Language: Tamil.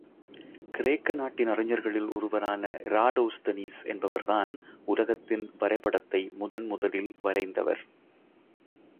கிரேக்க நாட்டின் அறிஞர்களில் ஒருவரான இராடோஸ்தனீஸ் என்பவர்தான், உலகத்தின் வரைபடத்தை முதன் முதலில் வரைந்தவர்.